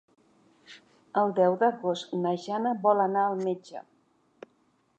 El deu d'agost na Jana vol anar al metge.